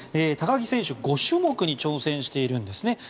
高木選手、５種目に挑戦しているんですね。